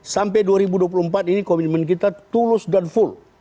sampai dua ribu dua puluh empat ini komitmen kita tulus dan full